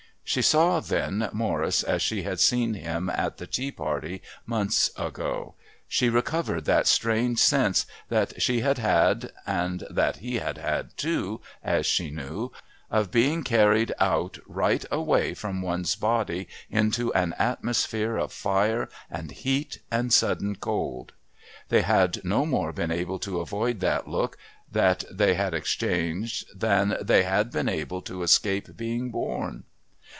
She saw, then, Morris as she had seen him at that tea party months ago. She recovered that strange sense that she had had (and that he had had too, as she knew) of being carried out right away from one's body into an atmosphere of fire and heat and sudden cold. They had no more been able to avoid that look that they had exchanged than they had been able to escape being born.